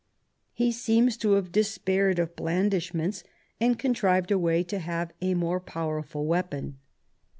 He seems to have despaired of blandishments, and contrived a way to have a more powerful weapon.